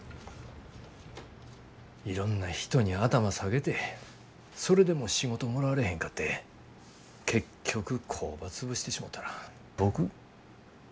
いろんな人に頭下げてそれでも仕事もらわれへんかって結局工場潰してしもたら僕何のために飛行機諦めたんやろ。